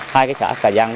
hai cái trả cà giang